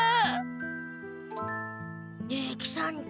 ねえ喜三太。